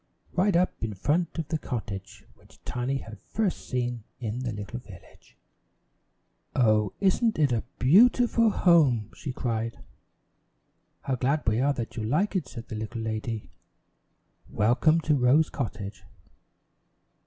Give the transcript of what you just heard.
right up in front of the cottage which Tiny had first seen in the little village. "Oh, isn't it a beau ti ful home!" she cried. "How glad we are that you like it," said the little lady. "Welcome to Rose Cottage."